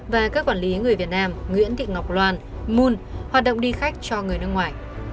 và các quản lý người việt nam nguyễn thị ngọc loan moon hoạt động đi khách cho người nước ngoài